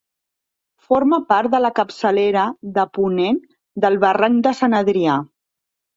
Forma part de la capçalera de ponent del barranc de Sant Adrià.